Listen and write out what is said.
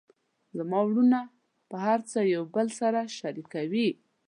زما وروڼه هر څه یو بل سره شریکوي